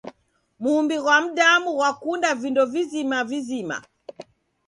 Muw'i ghwa mdamu ghwakunda vindo vizima vizima.